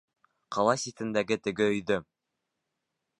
Ҡала ситендәге теге өйҙө!